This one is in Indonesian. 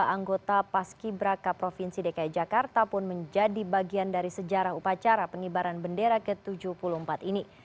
dua puluh anggota paski braka provinsi dki jakarta pun menjadi bagian dari sejarah upacara pengibaran bendera ke tujuh puluh empat ini